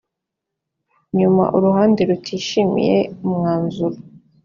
nyuma uruhande rutishimiye umwanzuro